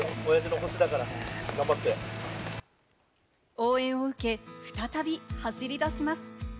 応援を受け、再び走り出します。